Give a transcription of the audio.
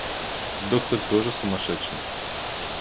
— Доктор тоже сумасшедший.